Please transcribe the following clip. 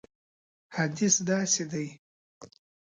حدیث داسې دی.